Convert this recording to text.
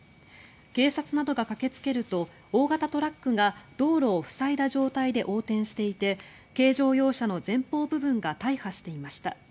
警察などが駆けつけると大型トラックが道路を塞いだ状態で横転していて軽乗用車の前方部分が大破していました。